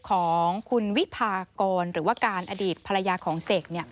ของคุณวิพากรหรือว่าการอดีตภรรยาของเสก